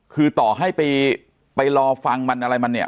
คือต่อให้ไปรอฟังมันอะไรมันเนี่ย